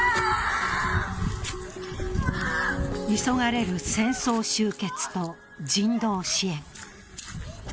急がれる戦争終結と人道支援。